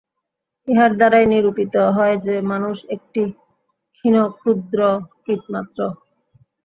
ইহার দ্বারাই নিরূপিত হয় যে, মানুষ একটি ক্ষীণ ক্ষুদ্র কীটমাত্র।